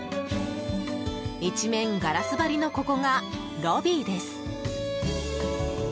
一面ガラス張りのここがロビーです。